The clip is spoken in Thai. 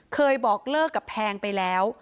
เคยบอกเลิกกับแพงไปแล้ว